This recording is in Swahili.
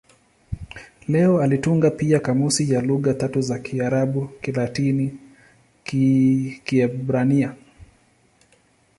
Leo alitunga pia kamusi ya lugha tatu za Kiarabu-Kilatini-Kiebrania.